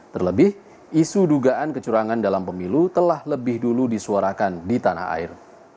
terlebih isu dugaan kecurangan dalam pemilu telah lebih dulu disuarakan di tanah air